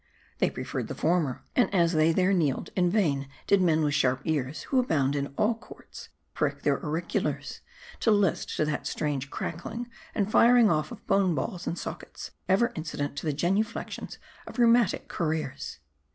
They preferred the former. And as they there kneeled, in vain did men with sharp ears (who abound in all courts) prick their auriculars, to list to that strange crackling and firing off of bone balls and sockets, ever incident to the genuflections of rheumatic courtiers.